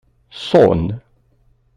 Ṣun.